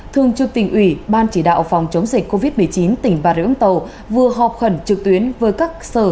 thương chức tỉnh ủy ban chỉ đạo phòng chống dịch covid một mươi chín tỉnh bà rửa úng tàu vừa họp khẩn trực tuyến với các sở